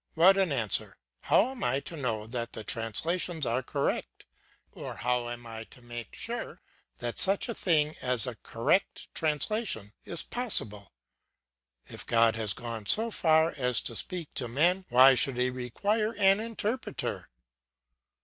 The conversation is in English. What an answer! How am I to know that the translations are correct, or how am I to make sure that such a thing as a correct translation is possible? If God has gone so far as to speak to men, why should he require an interpreter?